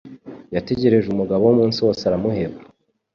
Yategereje umugabo we umunsi wose aramuheba.